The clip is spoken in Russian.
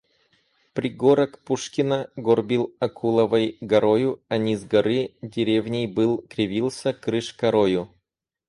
Пригорок Пушкино горбил Акуловой горою, а низ горы — деревней был, кривился крыш корою.